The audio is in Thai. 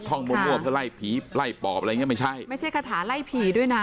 ท่องมนต์นวบถ้าไล่ผีไล่ปอบอะไรอย่างเงี้ยไม่ใช่ไม่ใช่คาถาไล่ผีด้วยน่ะ